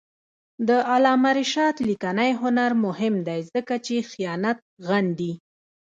د علامه رشاد لیکنی هنر مهم دی ځکه چې خیانت غندي.